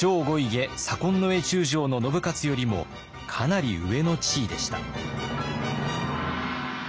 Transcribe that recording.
衛中将の信雄よりもかなり上の地位でした。